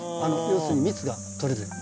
要するに蜜が取れてる。